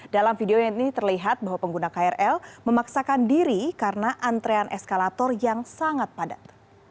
dalam video yang ini terlihat bahwa pengguna krl memaksakan diri karena antrean eskalator yang sangat padat